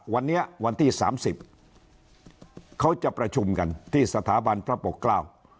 วันนี้วันที่๓๐เขาจะประชุมกันที่สถาบันพระปกราว